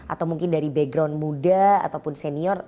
atau mungkin dari background muda ataupun senior